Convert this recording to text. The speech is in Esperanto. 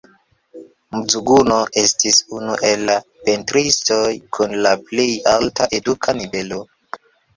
Mzuguno estis unu el la pentristoj kun la plej alta eduka nivelo.